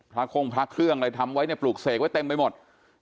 คงพระเครื่องอะไรทำไว้เนี่ยปลูกเสกไว้เต็มไปหมด